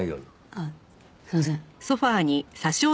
あっすみません。